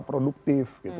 dan kontraproduktif gitu